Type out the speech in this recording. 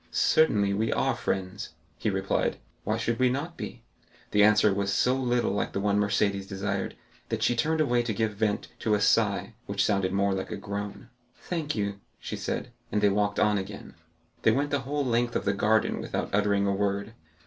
"Certainly, we are friends," he replied; "why should we not be?" The answer was so little like the one Mercédès desired, that she turned away to give vent to a sigh, which sounded more like a groan. "Thank you," she said. And they walked on again. They went the whole length of the garden without uttering a word.